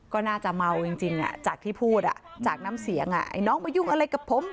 ก็น่าจะเมาจริงจากที่พูดจากน้ำเสียงไอ้น้องไปยุ่งอะไรกับผม